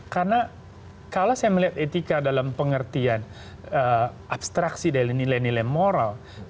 karena kalau saya melihat etika dalam pengertian abstraksi dari nilai nilai moral